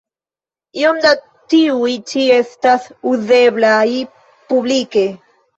Iom da tiuj ĉi estas uzeblaj publike.